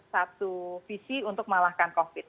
terus bisa untuk melahkan covid